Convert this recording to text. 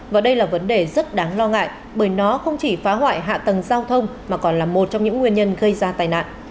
và đây là vấn đề rất đáng lo ngại bởi nó không chỉ phá hoại hạ tầng giao thông mà còn là một trong những nguyên nhân gây ra tai nạn